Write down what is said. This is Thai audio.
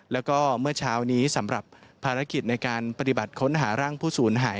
แล้วก็เมื่อเช้านี้สำหรับภารกิจในการปฏิบัติค้นหาร่างผู้สูญหาย